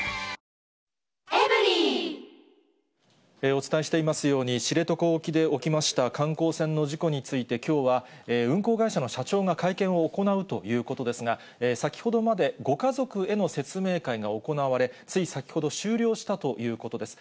お伝えしていますように、知床沖で起きました観光船の事故について、きょうは、運航会社の社長が会見を行うということですが、先ほどまで、ご家族への説明会が行われ、つい先ほど終了したということです。